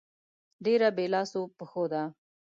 ډېره بې لاسو پښو ده.